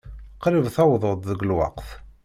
Qrib tewweḍ-d deg lweqt.